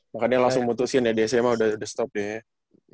makanya langsung putusin ya di sma udah stop deh